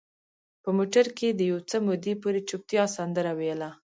په موټر کې د یو څه مودې پورې چوپتیا سندره ویله.